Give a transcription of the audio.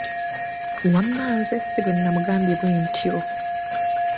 Wamma nze si bwe namugambye bwe ntyo.